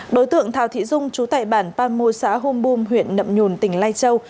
đối tượng thảo thị dung chú tại bản pan mô xã hôn bùm huyện nậm nhùn tỉnh lây châu